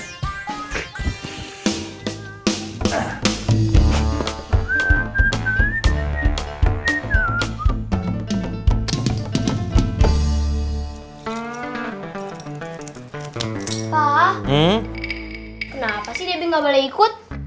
kenapa sih debbie gak boleh ikut